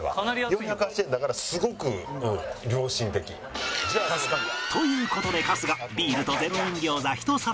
４８０円だからすごく良心的。という事で春日ビールと０円餃子１皿を注文。